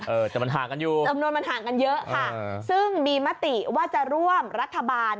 เออแต่มันห่างกันอยู่ค่ะซึ่งมีมติว่าจะร่วมรัฐบาล